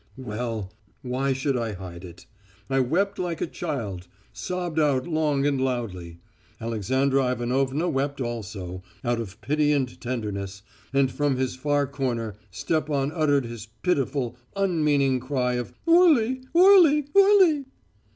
"Well, why should I hide it? I wept like a child; sobbed out, long and loudly. Alexandra Ivanovna wept also, out of pity and tenderness, and from his far corner Stepan uttered his pitiful, unmeaning cry of _oorli, oorli, oorli.